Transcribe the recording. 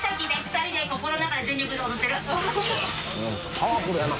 パワフルやな。